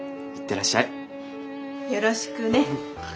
よろしくね。